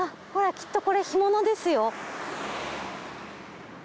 きっとこれ干物ですよ。